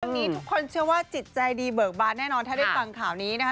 นี้ทุกคนเชื่อว่าจิตใจดีเบิกบานแน่นอนถ้าได้ฟังข่าวนี้นะคะ